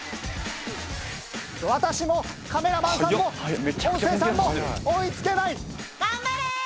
私もカメラマンさんも音声さんも追い付けない！